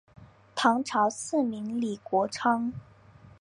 唐朝赐名李国昌。